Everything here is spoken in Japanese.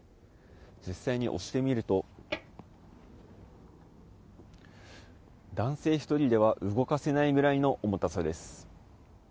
実際に押してみると男性１人では動かせないぐらいの重たさです。